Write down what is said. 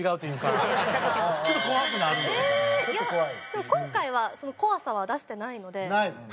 いやでも今回はその怖さは出してないので。